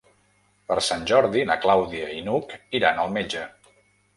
Per Sant Jordi na Clàudia i n'Hug iran al metge.